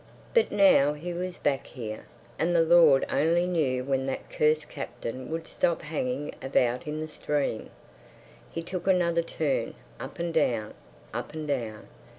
But now he was back here, and the Lord only knew when that cursed Captain would stop hanging about in the stream. He took another turn, up and down, up and down.